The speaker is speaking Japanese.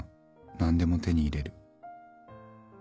何でも手に入れる。